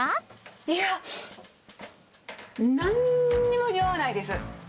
いやなんにもにおわないです。